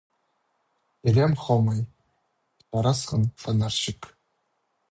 — Киреем хомай, – чарасхан фонарщик.